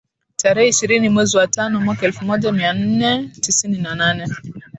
Tarehe ishirini mwezi wa tano mwaka elfu moja mia nne tisini na nane